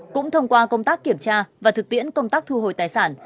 cũng thông qua công tác kiểm tra và thực tiễn công tác thu hồi tài sản